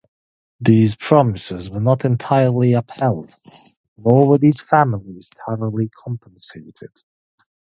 These promises were not entirely upheld, nor were these families thoroughly compensated.